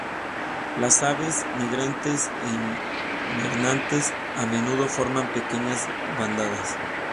Las aves migrantes e invernantes a menudo forman pequeñas bandadas.